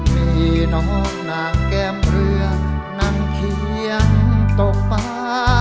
มีน้องนางแก้มเรือนั่งเคียงตกฟ้า